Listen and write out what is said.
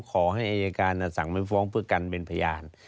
ขอให้อายการสั่งไม่ฟ้องเพื่อกันเป็นพยาน